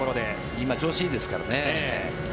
今、調子いいですからね。